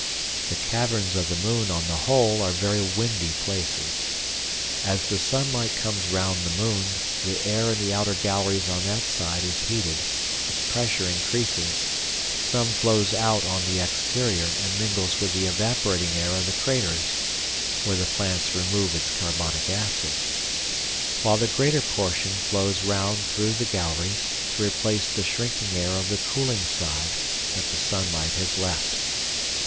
The caverns of the moon, on the whole, are very windy places. As the sunlight comes round the moon the air in the outer galleries on that side is heated, its pressure increases, some flows out on the exterior and mingles with the evaporating air of the craters (where the plants remove its carbonic acid), while the greater portion flows round through the galleries to replace the shrinking air of the cooling side that the sunlight has left.